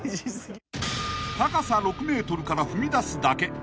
［高さ６ｍから踏み出すだけ］